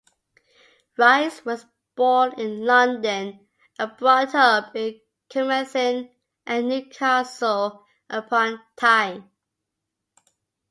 Rhys was born in London, and brought up in Carmarthen and Newcastle-upon-Tyne.